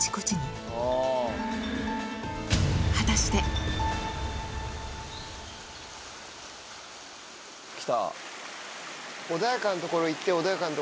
はたして。来た。